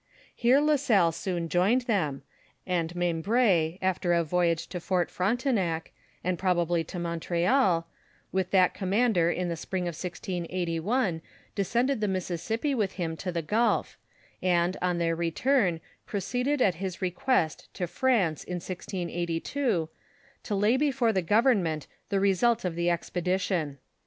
Here La Salle soon joined them, and Meinbrd, after a voyage to Fort Frontenac, and probably to Montreal, with that commander in the spring of 1681, descended the Mississippi with him to the gulf, and on their return proceeded at his request to France in 1682, to loy before the government the result of the expedition.